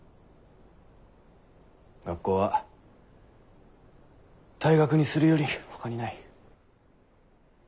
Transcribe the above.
学校は退学にするよりほかにない。